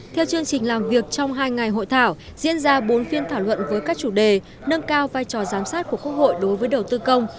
theo chương trình làm việc trong hai ngày hội thảo diễn ra bốn phiên thảo luận với các chủ đề nâng cao vai trò giám sát của quốc hội đối với đầu tư công